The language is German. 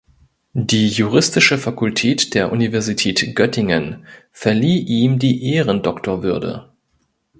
Die juristische Fakultät der Universität Göttingen verlieh ihm die Ehrendoktorwürde.